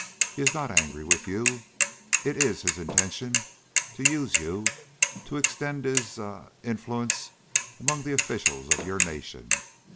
He is not angry with you. It is his intention to use you to extend his ah influence among the officials of your nation.